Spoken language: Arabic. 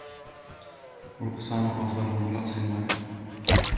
رأسان أفضل من رأس واحد.